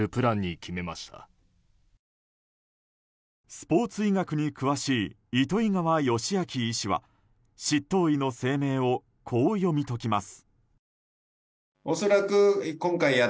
スポーツ医学に詳しい糸魚川善昭医師は執刀医の声明をこう読み解きます。